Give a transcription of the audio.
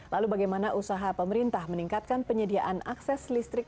lalu bagaimana usaha pemerintah meningkatkan penyediaan akses listrik